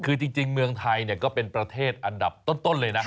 คือจริงเมืองไทยก็เป็นประเทศอันดับต้นเลยนะ